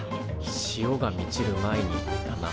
「潮が満ちる前に」だな。